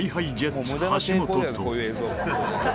橋本と。